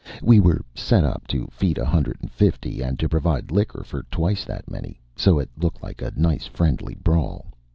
We were set up to feed a hundred and fifty, and to provide liquor for twice that many, so it looked like a nice friendly brawl.